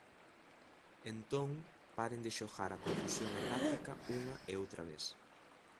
Entón, paren de xogar á confusión errática unha e outra vez.